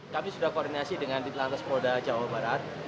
kami sudah koordinasi dengan titelan kesempatan jawa barat